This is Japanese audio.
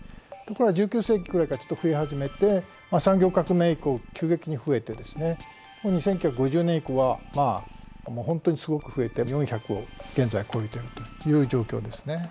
これが１９世紀くらいからちょっと増え始めて産業革命以降急激に増えてですね１９５０年以降は本当にすごく増えて４００を現在超えているという状況ですね。